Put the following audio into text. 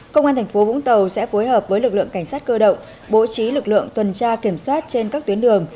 công an tp vũng tàu sẽ phối hợp với lực lượng cảnh sát cơ động bố trí lực lượng tuần tra kiểm soát trên các tuyến đường